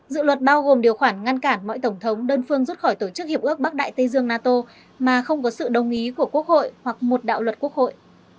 dự luật bao gồm điều khoản ngăn cản mỗi tổng thống đơn phương rút khỏi tổ chức hiệp ước bắc đại tây dương nato mà không có sự đồng ý của quốc hội hoặc một đạo luật quốc hội